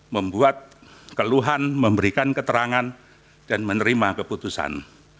membuat keluhan memberikan keterangan dan menerima keputusan